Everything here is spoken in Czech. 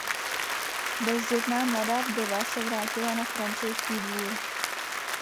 Bezdětná mladá vdova se vrátila na francouzský dvůr.